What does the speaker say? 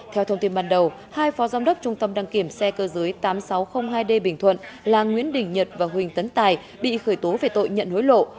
theo thông tin ban đầu hai phó giám đốc trung tâm đăng kiểm xe cơ giới tám nghìn sáu trăm linh hai d bình thuận là nguyễn đình nhật và huỳnh tấn tài bị khởi tố về tội nhận hối lộ